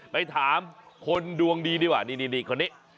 ไปถามคนดวงดีดีกว่านี่คนนี้